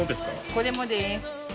これもです。